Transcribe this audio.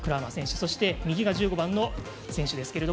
そして、右が１５番の選手なんですけど